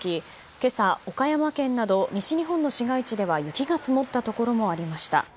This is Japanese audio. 今朝、岡山県など西日本の市街地では雪が積もったところもありました。